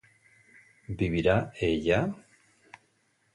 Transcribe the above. ¿vivirá ella?